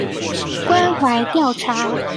關懷調查